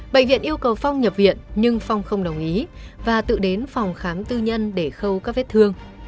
bệnh viện yêu cầu phong nhập viện nhưng phong không đồng ý và tự đến phòng khám tư nhân để khâu các vết thương